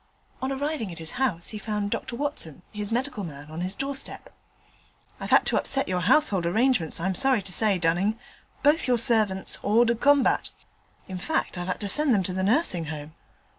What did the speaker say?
On arriving at his house he found Dr Watson, his medical man, on his doorstep. 'I've had to upset your household arrangements, I'm sorry to say, Dunning. Both your servants hors de combat. In fact, I've had to send them to the Nursing Home.'